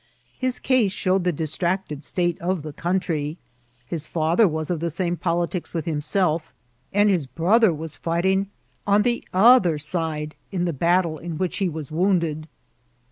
His case showed the distracted state of die country. His father was of the same politics with himself, and his brother was fighting on the other side in the battle in which he was wounded.